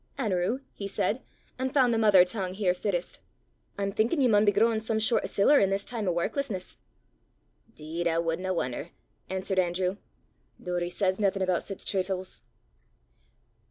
"An'rew," he said and found the mother tongue here fittest "I'm thinkin' ye maun be growin' some short o' siller i' this time o' warklessness!" "'Deed, I wadna won'er!" answered Andrew. "Doory says naething aboot sic triffles!"